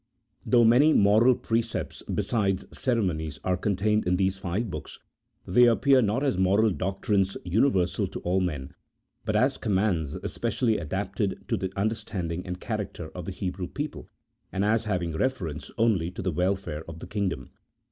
Though many moral precepts besides ceremonies are contained in these five books, they appear not as moral doctrines universal to all men, but as commands especially adapted to the under standing and character of the Hebrew people, and as having reference only to the welfare of the kingdom.